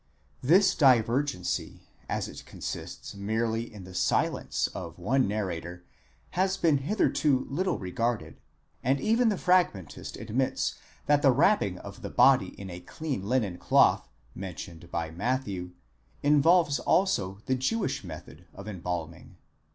This divergency, as it consists merely in the silence of one narrator, has been hitherto little regarded, and even the Frag mentist admits that the wrapping of the body in a clean linen cloth, mentioned by Matthew, involves also the Jewish method of embalming.